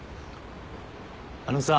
あのさ。